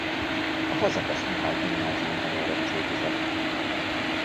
A Fazekas Mihály Gimnáziumban érettségizett.